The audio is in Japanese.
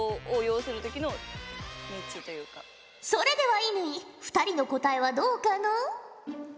それでは乾２人の答えはどうかのう？